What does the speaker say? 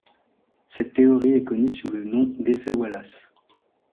Cette théorie est connue sous le nom d'effet Wallace.